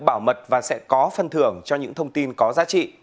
bảo mật và sẽ có phân thưởng cho những thông tin có giá trị